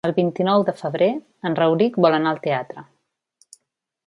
El vint-i-nou de febrer en Rauric vol anar al teatre.